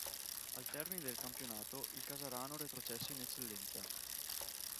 Al termine del campionato, il Casarano retrocesse in Eccellenza.